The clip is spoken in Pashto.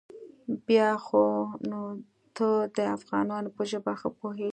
بيا خو نو ته د افغانانو په ژبه ښه پوېېږې.